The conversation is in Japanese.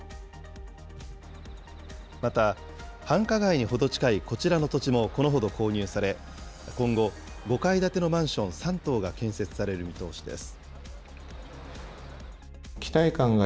また、繁華街に程近いこちらの土地もこのほど購入され、今後、５階建てのマンション３棟が建設される見通しです。